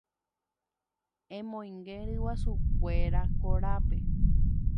Emoinge ryguasukuéra korápe.